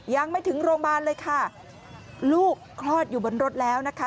ยังไม่ถึงโรงพยาบาลเลยค่ะลูกคลอดอยู่บนรถแล้วนะคะ